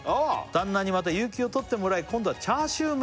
「旦那にまた有給を取ってもらい今度はチャーシュー麺を」